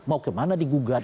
mau kemana digugat